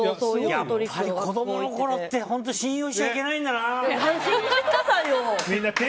やっぱり子供のころって信用しちゃいけないんだな。